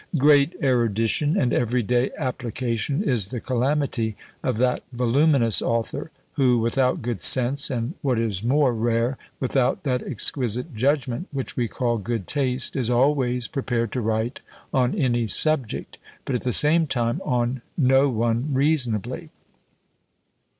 Great erudition and every day application is the calamity of that voluminous author, who, without good sense, and, what is more rare, without that exquisite judgment, which we call good taste, is always prepared to write on any subject, but at the same time on no one reasonably.